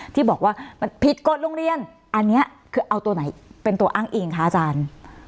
ที่บอกว่ามันผิดกฎโรงเรียนอันนี้คือเอาตัวไหนเป็นตัวอ้างอิงคะอาจารย์